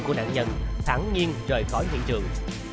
của nạn nhân thẳng nhiên rời khỏi hiện trường